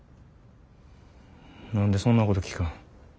何でそんなこと聞くん。